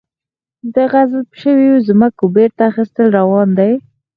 د غصب شویو ځمکو بیرته اخیستل روان دي؟